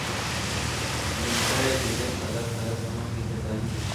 نومځری د جنس عدد حالت له مخې ګردانیږي.